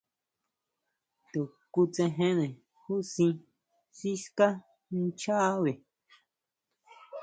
To kutsejene júsʼi siská nchabe.